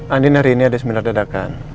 andin hari ini ada seminar dadah kan